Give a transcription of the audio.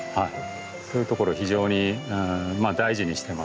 そういうところを非常に大事にしてますね。